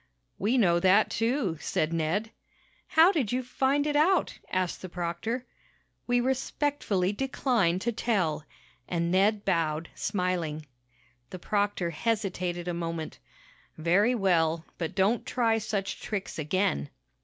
"We know that, too," said Ned. "How did you find it out?" asked the proctor. "We respectfully decline to tell," and Ned bowed, smiling. The proctor hesitated a moment. "Very well. But don't try such tricks again."